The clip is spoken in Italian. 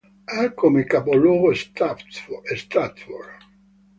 Ha come capoluogo Stratford.